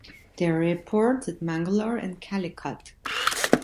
There are airports at Mangalore and Calicut.